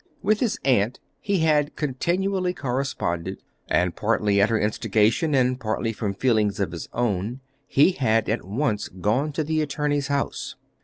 With his aunt he had continually corresponded, and partly at her instigation, and partly from feelings of his own, he had at once gone to the attorney's house.